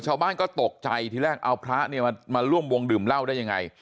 ชาวบ้านก็ตกใจทีแรกเอาพระเนี่ยมาร่วมวงดื่มเหล้าได้ยังไง